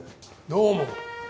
どうも。